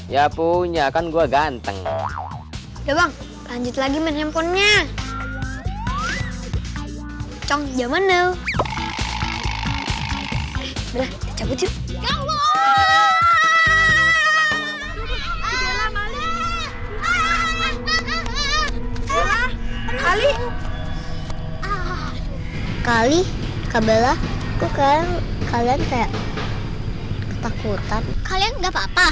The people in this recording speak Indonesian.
ya punya kan gua ganteng